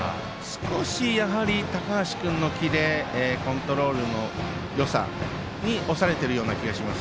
少し高橋君のキレコントロールのよさに押されている気がします。